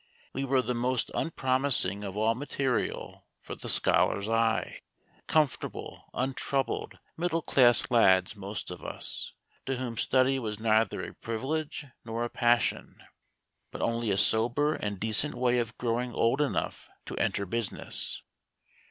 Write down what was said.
We were the most unpromising of all material for the scholar's eye; comfortable, untroubled middle class lads most of us, to whom study was neither a privilege nor a passion, but only a sober and decent way of growing old enough to enter business.